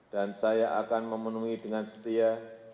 dan saya akan memenuhi dengan setia